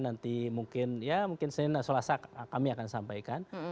nanti mungkin ya mungkin senin selasa kami akan sampaikan